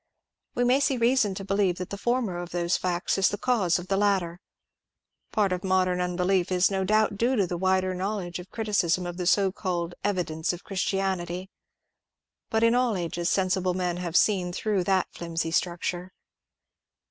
We may see reason to believe that the former of those facts is the cause of the latter. Part of modem unbelief is no doubt due to the wider knowledge of criticism of the so called evi dence of Christianity," but in all ages sensible men have seen through that flimsy structure.